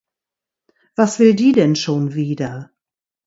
Was will die denn schon wieder?